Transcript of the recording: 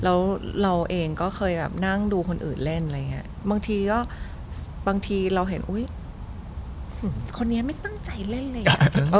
แล้วเราเองก็เคยแบบนั่งดูคนอื่นเล่นอะไรอย่างเงี้ยบางทีก็บางทีเราเห็นอุ้ยคนนี้ไม่ตั้งใจเล่นอะไรอย่างนี้